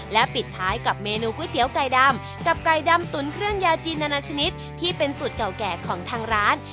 และปิดท้ายกับเมนูก๋วยเตี๋ยวไก่ดำกับไก่ดำตุ๋นเครื่องยาจีนนานาชนิดที่เป็นสูตรเก่าแก่ของทางร้าน